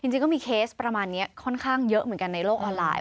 จริงก็มีเคสประมาณนี้ค่อนข้างเยอะเหมือนกันในโลกออนไลน์